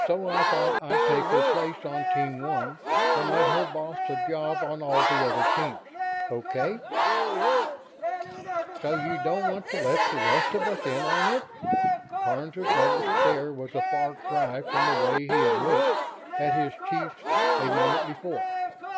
So I thought I'd take her place on Team One and let her boss the job on all the other teams. Okay?" "So you don't want to let the rest of us in on it." Karns's level stare was a far cry from the way he had looked at his chief a moment before.